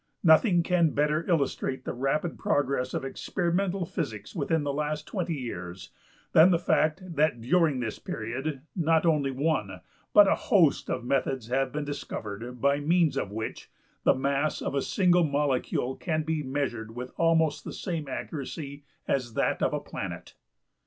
Nothing can better illustrate the rapid progress of experimental physics within the last twenty years than the fact that during this period not only one, but a host of methods have been discovered by means of which the mass of a single molecule can be measured with almost the same accuracy as that of a planet.